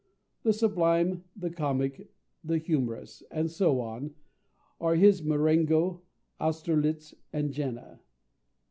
The Sublime, the Comic, the Humorous, and so on, are his Marengo, Austerlitz, and Jena.